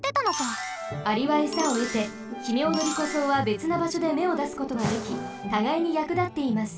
アリはエサをえてヒメオドリコソウはべつなばしょでめをだすことができたがいにやくだっています。